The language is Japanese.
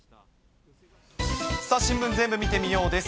さあ、新聞ぜーんぶ見てみよう！です。